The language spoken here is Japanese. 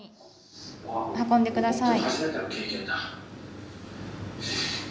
運んでください。